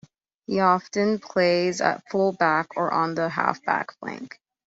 He often plays at full back or on the half back flank.